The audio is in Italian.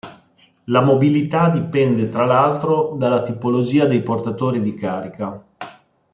La mobilità dipende tra l'altro dalla tipologia dei portatori di carica.